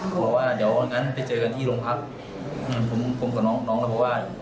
เพราะว่าเดี๋ยวงั้นไปเจอกันที่โรงพักษณ์ผมกับน้องน้องก็ว่า